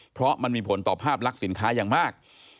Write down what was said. เพราะมันมีผลต่อภาพลักษณ์สินค้าอย่างมาก